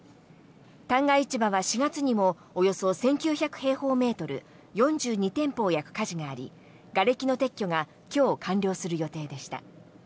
旦過市場は４月にもおよそ１９００平方メートル４２店舗を焼く火事がありがれきの撤去が今日、完了する予定でした。